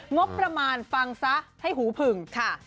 งบประมาณฟังซะให้หูผึ่งค่ะ